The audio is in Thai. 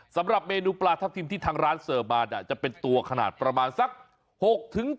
สำหรับเมนูปลาทับทิมที่ทางร้านเสิร์ฟมาจะเป็นตัวขนาดประมาณสัก๖๗